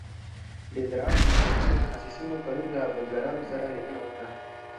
د زراعت مسلکي متخصصینو پرون له بزګرانو سره لیدنه وکړه.